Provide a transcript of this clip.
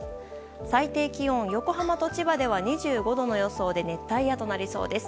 最低気温、横浜と千葉では２５度の予想で熱帯夜となりそうです。